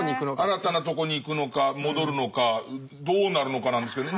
新たなとこに行くのか戻るのかどうなるのかなんですけどね。